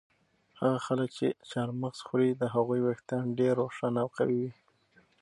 هغه خلک چې چهارمغز خوري د هغوی ویښتان ډېر روښانه او قوي وي.